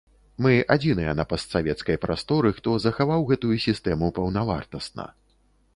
Мы адзіныя на постсавецкай прасторы, хто захаваў гэтую сістэму паўнавартасна.